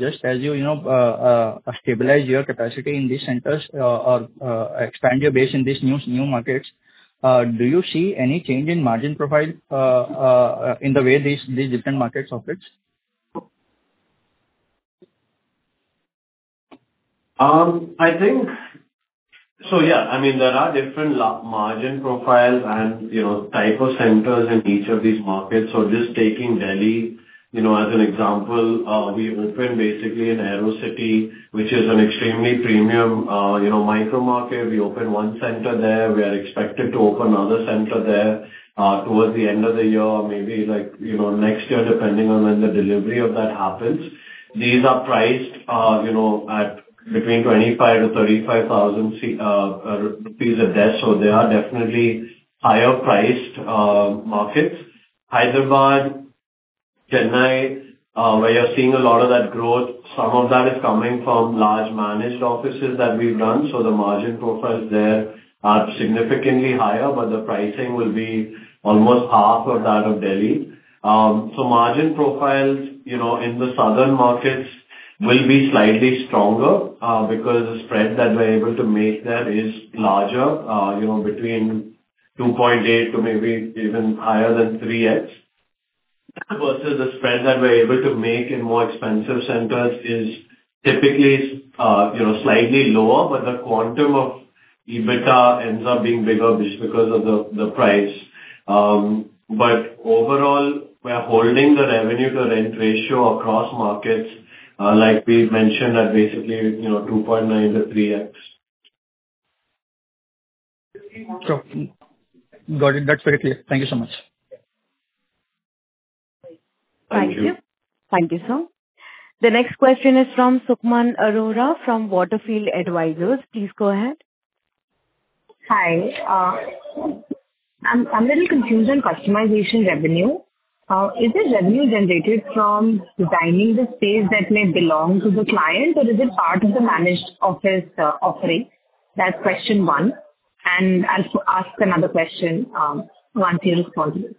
Just as you stabilize your capacity in these centers or expand your base in these new markets, do you see any change in margin profile, in the way these different markets operate? I think so, yeah. There are different margin profiles and type of centers in each of these markets. Just taking Delhi as an example, we opened basically in Aerocity, which is an extremely premium micro market. We opened one center there. We are expected to open another center there towards the end of the year, maybe next year, depending on when the delivery of that happens. These are priced at between 25,000-35,000 rupees a desk, they are definitely higher priced markets. Hyderabad, Chennai, where you're seeing a lot of that growth, some of that is coming from large managed offices that we've done. The margin profiles there are significantly higher, but the pricing will be almost half of that of Delhi. Margin profiles in the southern markets will be slightly stronger because the spread that we're able to make there is larger, between 2.8x to maybe even higher than 3x. Versus the spread that we're able to make in more expensive centers is typically slightly lower, but the quantum of EBITDA ends up being bigger just because of the price. Overall, we're holding the revenue to rent ratio across markets, like we've mentioned, at basically 2.9x-3x. Sure. Got it. That's very clear. Thank you so much. Thank you. Thank you. Thank you, sir. The next question is from Sukhman Arora from Waterfield Advisors. Please go ahead. Hi. I'm a little confused on customization revenue. Is it revenue generated from designing the space that may belong to the client, or is it part of the managed office offering? That's question one. I'll ask another question once he responds to this.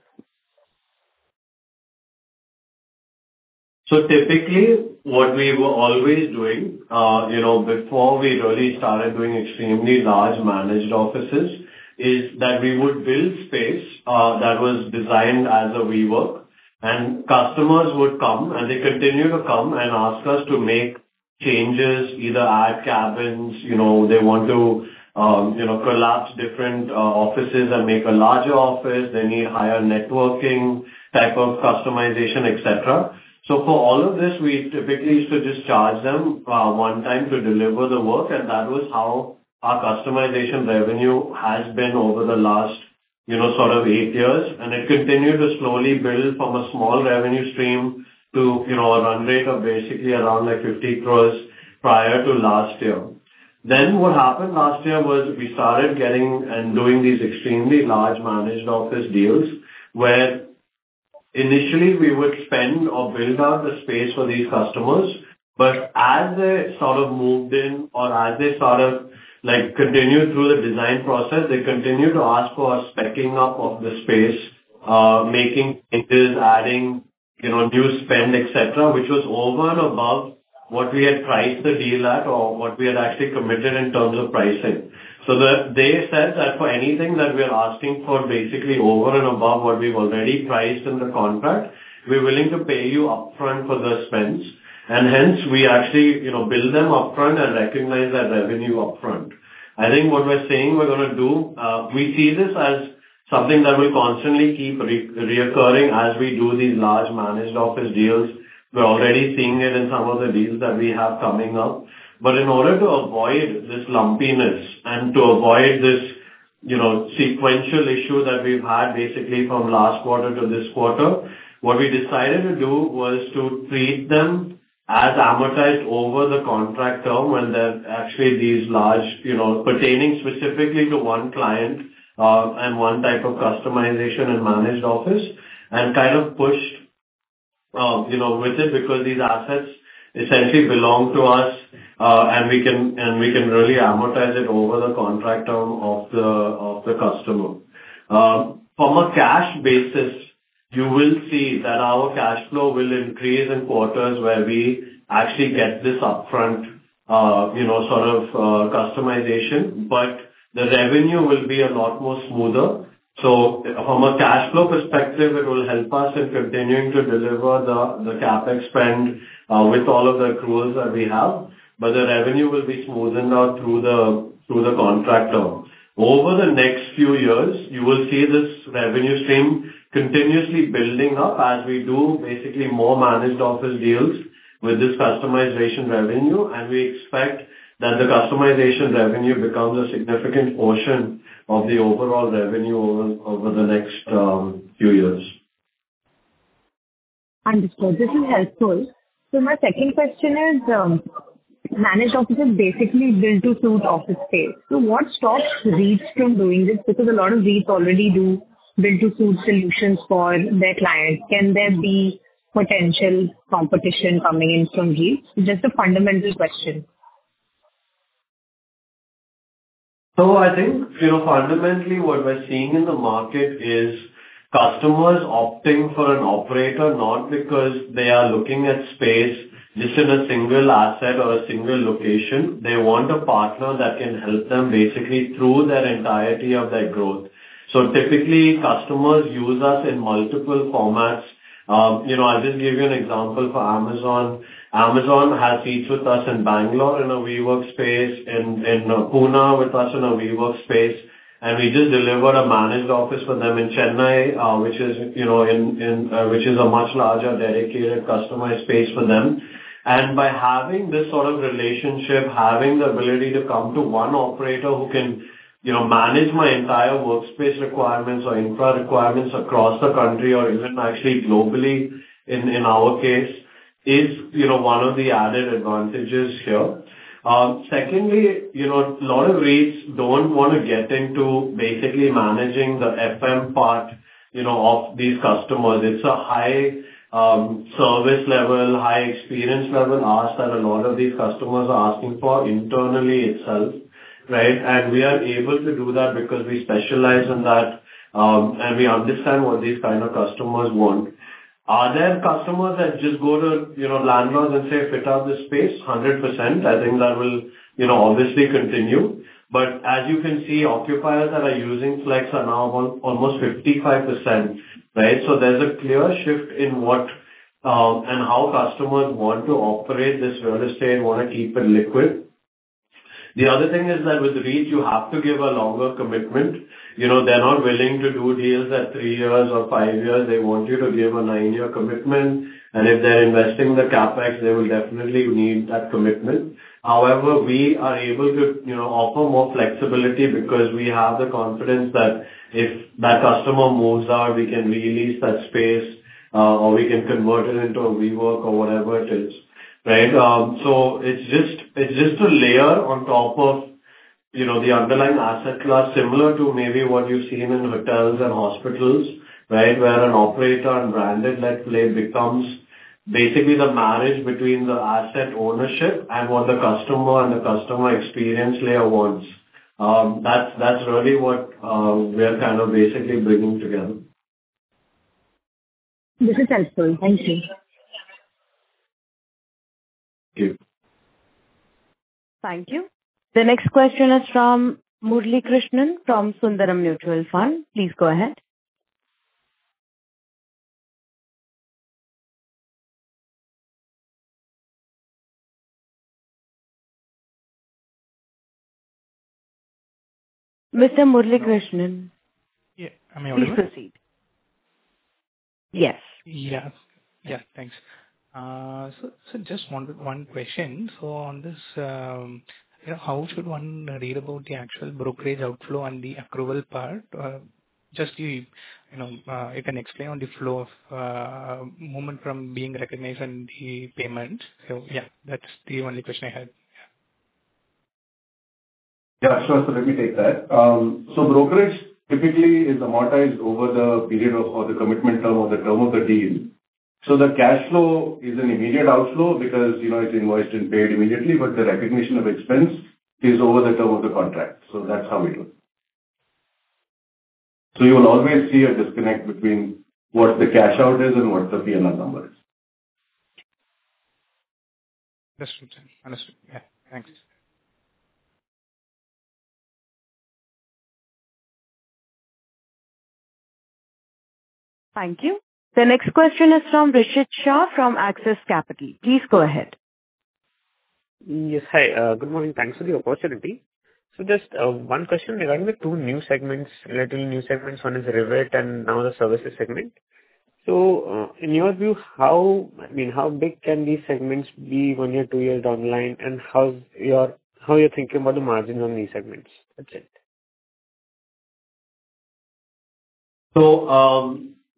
Typically, what we were always doing, before we really started doing extremely large managed offices, is that we would build space that was designed as a WeWork, and customers would come, and they continue to come and ask us to make changes, either add cabins, they want to collapse different offices and make a larger office. They need higher networking type of customization, et cetera. For all of this, we typically used to just charge them one time to deliver the work, and that was how our customization revenue has been over the last sort of eight years, and it continued to slowly build from a small revenue stream to a run rate of basically around 50 crore prior to last year. What happened last year was we started getting and doing these extremely large managed office deals where initially we would spend or build out the space for these customers. As they sort of moved in or as they continued through the design process, they continued to ask for a speccing up of the space, making changes, adding new spend, et cetera, which was over and above what we had priced the deal at or what we had actually committed in terms of pricing. They said that for anything that we are asking for basically over and above what we've already priced in the contract, we're willing to pay you upfront for the spends. Hence, we actually bill them upfront and recognize that revenue upfront. I think what we're saying we're going to do, we see this as something that will constantly keep reoccurring as we do these large Managed Office deals. We're already seeing it in some of the deals that we have coming up. In order to avoid this lumpiness and to avoid this sequential issue that we've had basically from last quarter to this quarter, what we decided to do was to treat them as amortized over the contract term when they're actually these large, pertaining specifically to one client, and one type of customization and Managed Office, and kind of pushed with it because these assets essentially belong to us, and we can really amortize it over the contract term of the customer. From a cash basis, you will see that our cash flow will increase in quarters where we actually get this upfront sort of customization. The revenue will be a lot more smoother. From a cash flow perspective, it will help us in continuing to deliver the CapEx spend with all of the accruals that we have. The revenue will be smoothened out through the contract term. Over the next few years, you will see this revenue stream continuously building up as we do basically more Managed Office deals with this customization revenue. We expect that the customization revenue becomes a significant portion of the overall revenue over the next few years. Understood. This is helpful. My second question is, Managed Office is basically built to suit office space. What stops REITs from doing this? A lot of REITs already do build-to-suit solutions for their clients. Can there be potential competition coming in from REITs? Just a fundamental question. I think fundamentally what we're seeing in the market is customers opting for an operator not because they are looking at space just in a single asset or a single location. They want a partner that can help them basically through the entirety of their growth. Typically, customers use us in multiple formats. I'll just give you an example for Amazon. Amazon has seats with us in Bangalore in a WeWork space, in Pune with us in a WeWork space, and we just delivered a Managed Office for them in Chennai, which is a much larger dedicated customized space for them. By having this sort of relationship, having the ability to come to one operator who can manage my entire workspace requirements or infra requirements across the country or even actually globally in our case is one of the added advantages here. Secondly, a lot of REITs don't want to get into basically managing the FM part of these customers. It's a high service level, high experience level ask that a lot of these customers are asking for internally itself, right. We are able to do that because we specialize in that, and we understand what these kind of customers want. Are there customers that just go to landlords and say, "Fit out this space?" 100%. I think that will obviously continue. As you can see, occupiers that are using flex are now almost 55%. There's a clear shift in what and how customers want to operate this real estate and want to keep it liquid. The other thing is that with REIT, you have to give a longer commitment. They're not willing to do deals at three years or five years. They want you to give a nine-year commitment. If they're investing the CapEx, they will definitely need that commitment. However, we are able to offer more flexibility because we have the confidence that if that customer moves out, we can re-lease that space, or we can convert it into a WeWork or whatever it is, right. It's just a layer on top of the underlying asset class, similar to maybe what you've seen in hotels and hospitals, right. Where an operator and branded net play becomes basically the marriage between the asset ownership and what the customer and the customer experience layer wants. That's really what we're kind of basically bringing together. This is helpful. Thank you. Thank you. Thank you. The next question is from Murali Krishnan from Sundaram Mutual Fund. Please go ahead. Mr. Murali Krishnan. Yeah. I'm here. Please proceed. Yes. Yeah. Thanks. Just one question. On this, how should one read about the actual brokerage outflow and the accrual part? Just if you can explain on the flow of moment from being recognized and the payment. Yeah, that's the only question I had. Yeah. Yes, sure. Let me take that. Brokerage typically is amortized over the period of, or the commitment term or the term of the deal. The cash flow is an immediate outflow because it's invoiced and paid immediately, but the recognition of expense is over the term of the contract. That's how it works. You'll always see a disconnect between what the cash out is and what the P&L number is. Understood. Yes, thanks. Thank you. The next question is from Rishith Shah from Axis Capital. Please go ahead. Yes. Hi, good morning. Thanks for the opportunity. Just one question regarding the two new segments, relatively new segments, one is Rivet and now the services segment. In your view, how big can these segments be one year, two years down the line, and how you're thinking about the margins on these segments? That's it.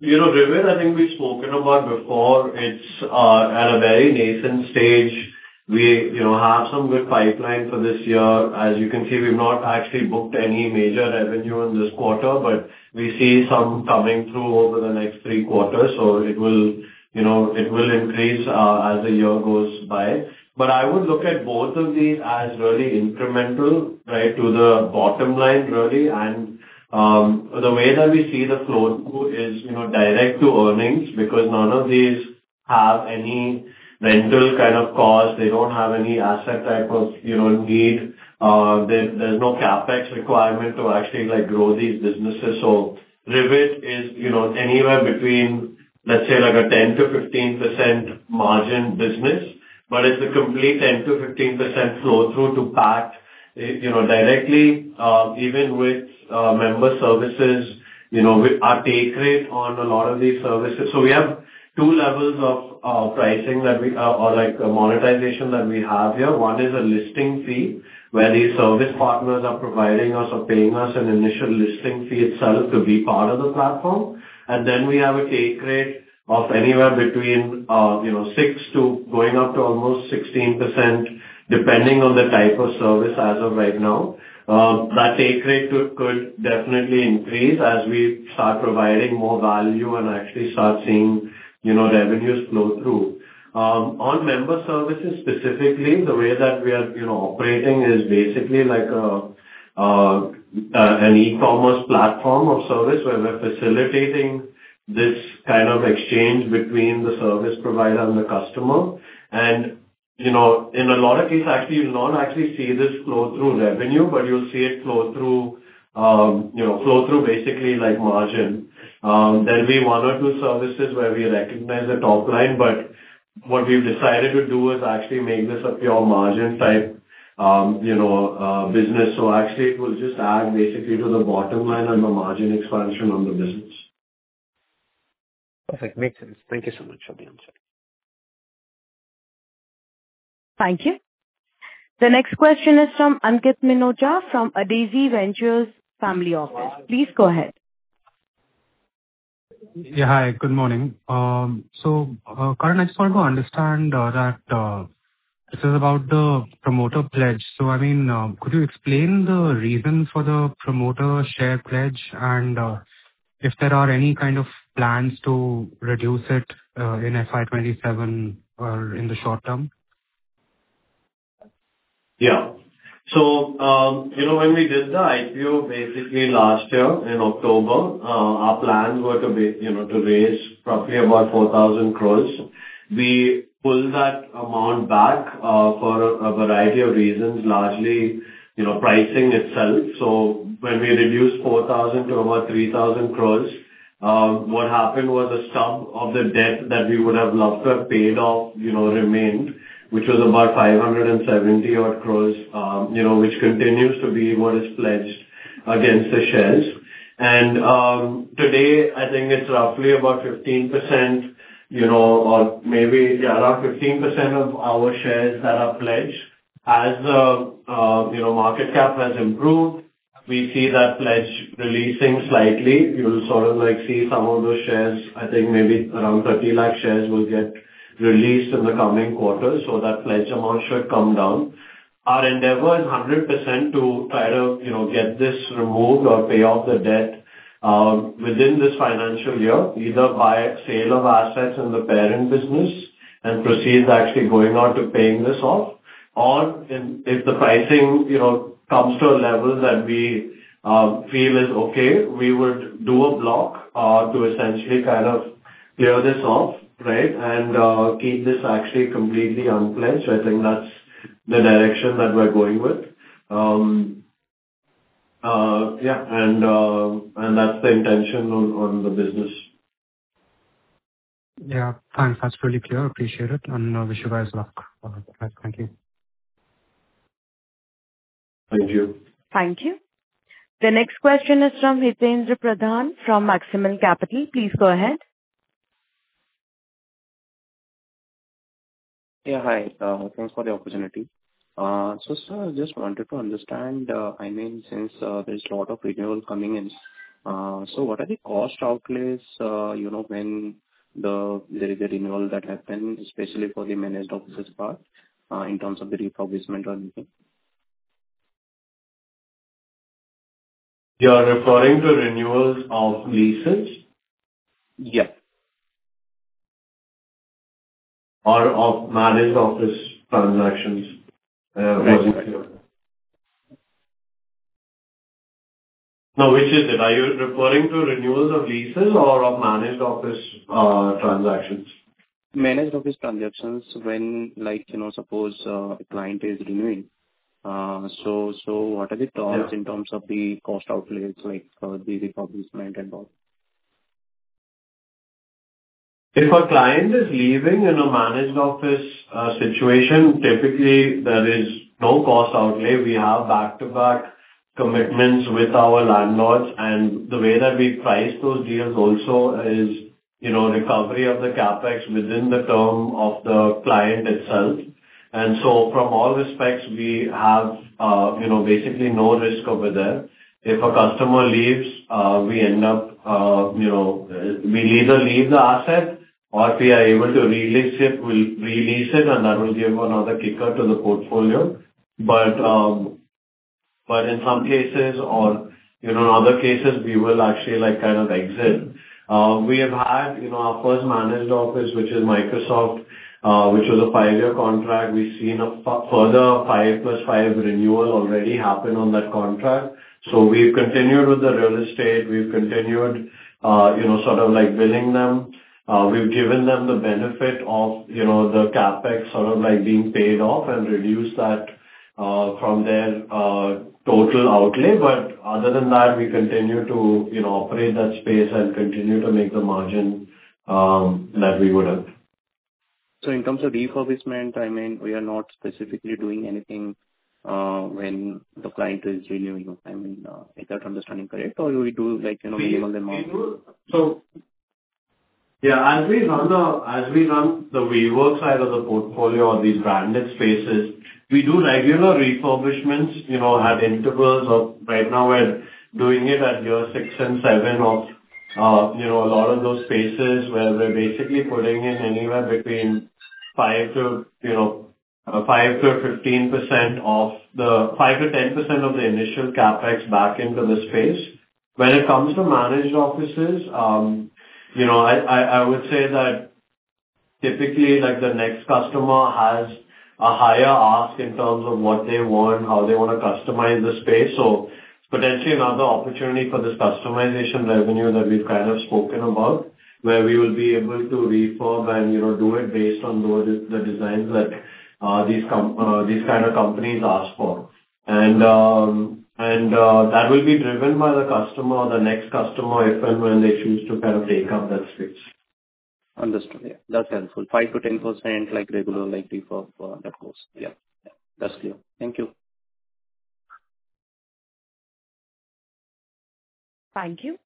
Rivet, I think we've spoken about before. It's at a very nascent stage. We have some good pipeline for this year. As you can see, we've not actually booked any major revenue in this quarter, but we see some coming through over the next three quarters. It will increase as the year goes by. I would look at both of these as really incremental to the bottom line, really and the way that we see the flow-through is direct to earnings because none of these have any rental kind of cost. They don't have any asset type of need. There's no CapEx requirement to actually grow these businesses. Rivet is anywhere between, let's say, like a 10%-15% margin business, but it's a complete 10%-15% flow-through to PAT directly even with Member Services with our take rate on a lot of these services. We have two levels of pricing or monetization that we have here. One is a listing fee, where these service partners are providing us or paying us an initial listing fee itself to be part of the platform. We have a take rate of anywhere between 6% to going up to almost 16% depending on the type of service as of right now. That take rate could definitely increase as we start providing more value and actually start seeing revenues flow through. On Member Services specifically, the way that we are operating is basically like an e-commerce platform of service where we're facilitating this kind of exchange between the service provider and the customer. In a lot of cases, actually, you'll not actually see this flow through revenue, but you'll see it flow through basically margin. There'll be one or two services where we recognize the top-line, but what we've decided to do is actually make this a pure margin type business. Actually it will just add basically to the bottom line and the margin expansion on the business. Perfect. Makes sense. Thank you so much for the answer. Thank you. The next question is from Ankit Minocha, from Adezi Ventures Family Office. Please go ahead. Yeah, hi. Good morning. Karan, I just want to understand that this is about the promoter pledge. Could you explain the reason for the promoter share pledge and if there are any kind of plans to reduce it in FY 2027 or in the short term? Yeah. When we did the IPO basically last year in October, our plans were to raise roughly about 4,000 crore. We pulled that amount back for a variety of reasons, largely, pricing itself. When we reduced 4,000 to about 3,000 crore, what happened was a sum of the debt that we would have loved to have paid off remained, which was about 570 crore which continues to be what is pledged against the shares. Today, I think it's roughly about 15%, or maybe, yeah, around 15% of our shares that are pledged. As the market cap has improved, we see that pledge releasing slightly. You'll sort of see some of those shares, I think maybe around 30 lakh shares will get released in the coming quarter so that pledge amount should come down. Our endeavor is 100% to try to get this removed or pay off the debt within this financial year, either by sale of assets in the parent business and proceeds actually going on to paying this off. If the pricing comes to a level that we feel is okay, we would do a block to essentially kind of clear this off, right, and keep this actually completely unpledged. I think that's the direction that we're going with. Yeah, that's the intention on the business. Thanks. That's really clear. Appreciate it and wish you guys luck. All right. Thank you. Thank you. Thank you. The next question is from Hitaindra Pradhan from Maximal Capital. Please go ahead. Hi. Thanks for the opportunity. Sir, I just wanted to understand, since there's a lot of renewal coming in, what are the cost outlays when there is a renewal that happens, especially for the Managed Offices part, in terms of the refurbishment or anything? You're referring to renewals of leases? Yeah. Of managed office transactions? Right. No, which is it? Are you referring to renewals of leases or of managed office transactions? Managed office transactions when, suppose, a client is renewing. What are the costs in terms of the cost outlays, like the refurbishment and all? If a client is leaving in a managed office situation, typically there is no cost outlay. We have back-to-back commitments with our landlords, and the way that we price those deals also is recovery of the CapEx within the term of the client itself. From all respects, we have basically no risk over there. If a customer leaves, we either leave the asset or if we are able to re-lease it, we re-lease it, and that will give another kicker to the portfolio. In some cases, or in other cases, we will actually kind of exit. We have had our first managed office, which is Microsoft, which was a five-year contract. We've seen a further five plus five renewal already happen on that contract. We've continued with the real estate, we've continued sort of billing them. We've given them the benefit of the CapEx sort of being paid off and reduce that from their total outlay. Other than that, we continue to operate that space and continue to make the margin that we would have. In terms of refurbishment, we are not specifically doing anything when the client is renewing. Is that understanding correct? Or we do like enable them? Yeah, as we run the WeWork side of the portfolio or these branded spaces, we do regular refurbishments at intervals of, right now we're doing it at year six and seven of a lot of those spaces where we're basically putting in anywhere between 5%-10% of the initial CapEx back into the space. When it comes to Managed Offices, I would say that typically, the next customer has a higher ask in terms of what they want, how they want to customize the space. Potentially another opportunity for this customization revenue that we've kind of spoken about, where we will be able to refurb and do it based on those, the designs that these kind of companies ask for. That will be driven by the customer or the next customer if and when they choose to kind of take up that space. Understood. Yeah, that's helpful. 5%-10%, like regular, like refurb, that goes. Yeah. That's clear. Thank you. Thank you.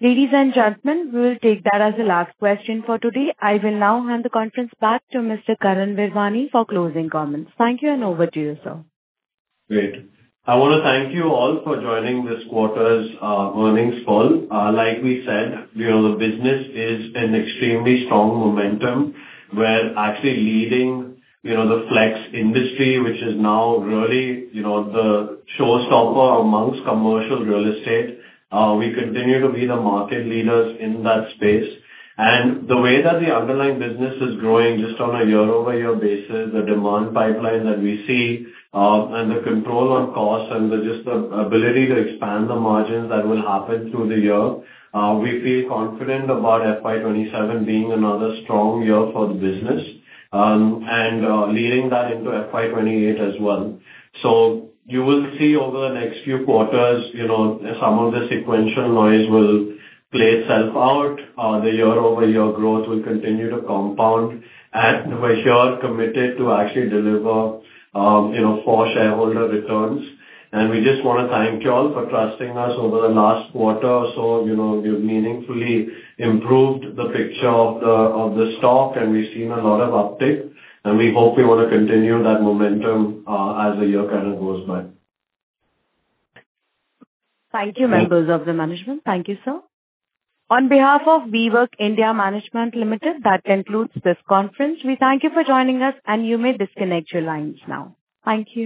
Ladies and gentlemen, we'll take that as the last question for today. I will now hand the conference back to Mr. Karan Virwani for closing comments. Thank you, and over to you, sir. Great. I want to thank you all for joining this quarter's earnings call. Like we said, the business is in extremely strong momentum. We're actually leading the flex industry, which is now really the showstopper amongst commercial real estate. We continue to be the market leaders in that space. The way that the underlying business is growing just on a year-over-year basis, the demand pipeline that we see, and the control on costs and just the ability to expand the margins that will happen through the year, we feel confident about FY 2027 being another strong year for the business, and leading that into FY 2028 as well. You will see over the next few quarters, some of the sequential noise will play itself out. The year-over-year growth will continue to compound, and we're sure committed to actually deliver for shareholder returns. We just want to thank you all for trusting us over the last quarter or so. We've meaningfully improved the picture of the stock, and we've seen a lot of uptick, and we hope we want to continue that momentum as the year kind of goes by. Thank you, members of the management. Thank you, sir. On behalf of WeWork India Management Limited, that concludes this conference. We thank you for joining us, and you may disconnect your lines now. Thank you.